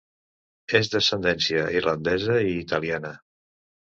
És d'ascendència irlandesa i italiana.